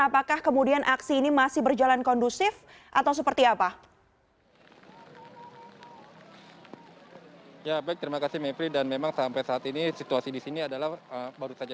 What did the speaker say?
apakah kemudian aksi ini masih berjalan kondusif atau seperti apa